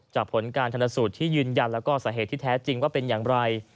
ผลการชนสูตรที่ยืนยันแล้วก็สาเหตุที่แท้จริงว่าเป็นอย่างไร